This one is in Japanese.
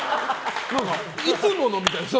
いつものみたいな。